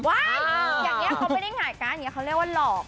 อย่างนี้เขาไม่ได้หงายการ์ดอย่างนี้เขาเรียกว่าหลอก